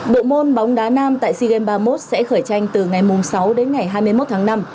bộ môn bóng đá nam tại sea games ba mươi một sẽ khởi tranh từ ngày sáu đến ngày hai mươi một tháng năm